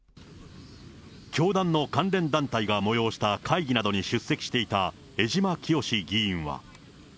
教団の関連団体が催した会議などに出席していた江島潔議員は。